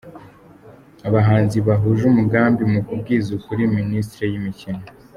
Abahanzi bahuje umugambi mu kubwiza ukuri minisiteri yimikino